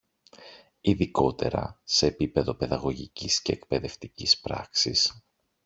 Ειδικότερα, σε επίπεδο παιδαγωγικής και εκπαιδευτικής πράξης